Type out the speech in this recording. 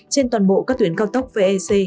trên toàn bộ các tuyến cao tốc vec